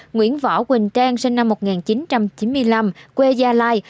nguyễn võ quỳnh trang sinh năm một nghìn chín trăm chín mươi năm quê gia lai